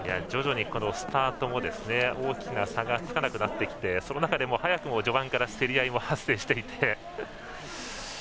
徐々にスタートも大きな差がつかなくなってきてその中でも早くも序盤から競り合いも発生していて。